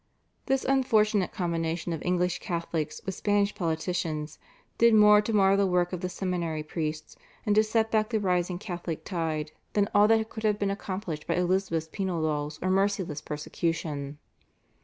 This unfortunate combination of English Catholics with Spanish politicians did more to mar the work of the seminary priests, and to set back the rising Catholic tide than all that could have been accomplished by Elizabeth's penal laws or merciless persecution.